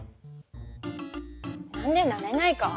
何でなれないか？